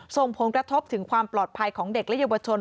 ส่งผลกระทบถึงความปลอดภัยของเด็กและเยาวชน